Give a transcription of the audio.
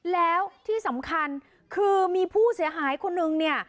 แล้วที่สำคัญคือมีผู้เสียหายคนนึงเนี่ย